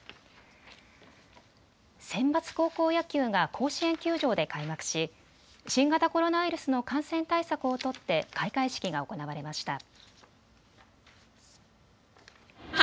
センバツ高校野球が甲子園球場で開幕し、新型コロナウイルスの感染対策を取って開会式が行われました。